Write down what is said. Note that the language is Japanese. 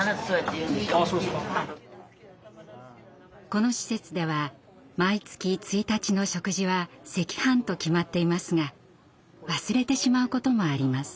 この施設では毎月１日の食事は赤飯と決まっていますが忘れてしまうこともあります。